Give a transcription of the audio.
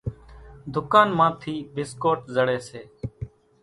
ۮُڪانَ مان ٿِي ڀِسڪوٽ زڙيَ سي۔